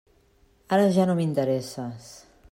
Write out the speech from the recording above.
Ara ja no m'interesses.